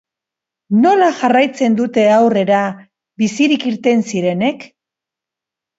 Nola jarraitzen dute aurrera bizirik irten zirenek?